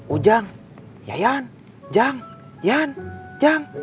ujang yayan jang yan jang